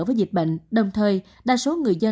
với dịch bệnh đồng thời đa số người dân